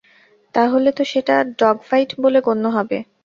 তাহলে তো সেটা ডগ ফাইট বলে গণ্য হবে।